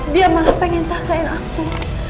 dia malah pengen takain aku